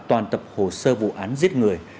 toàn tập hồ sơ vụ án giết người